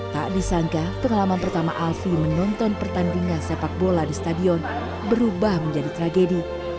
tak disangka pengalaman pertama alfie menonton pertandingan sepak bola di stadion berubah menjadi tragedi